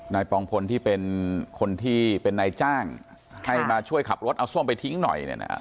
ปองพลที่เป็นคนที่เป็นนายจ้างให้มาช่วยขับรถเอาส้มไปทิ้งหน่อยเนี่ยนะ